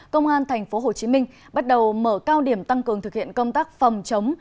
công an tp hcm bắt đầu mở cao điểm tăng cường thực hiện công tác phòng chống